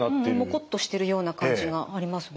モコッとしてるような感じがありますね。